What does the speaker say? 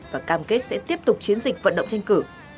và cam kết sẽ tiếp tục chiến dịch vận động tranh cử